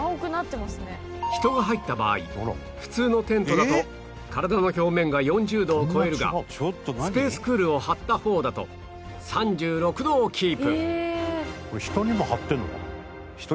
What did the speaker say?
人が入った場合普通のテントだと体の表面が４０度を超えるが ＳＰＡＣＥＣＯＯＬ を貼った方だと３６度をキープ！